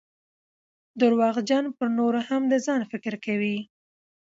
درواغجن پرنورو هم دځان فکر کوي